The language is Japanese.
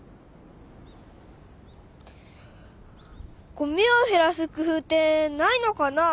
ごみをへらす工夫ってないのかな？